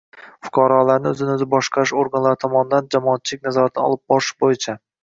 fuqarolarning o‘zini o‘zi boshqarish organlari tomonidan jamoatchilik nazoratini olib borish bo‘yicha